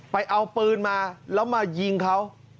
ไปเอาปืนมาแล้วมายิงเขา